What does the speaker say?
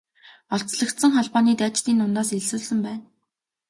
Олзлогдсон холбооны дайчдын дундаас элсүүлсэн байна.